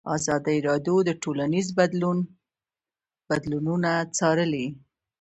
ازادي راډیو د ټولنیز بدلون بدلونونه څارلي.